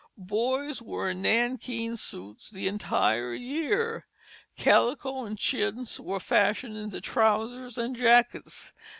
Boys wore nankeen suits the entire year. Calico and chintz were fashioned into trousers and jackets.